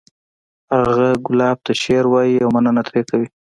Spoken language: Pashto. هغه ګلاب ته شعر وایی او مننه ترې کوي